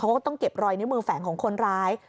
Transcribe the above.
เขาก็ต้องเก็บรอยนิ้วมือแฝงของคนร้าย